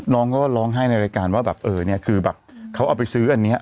น้องก็ล้องให้ในรายการว่าเขาเอาไปซื้ออันนี้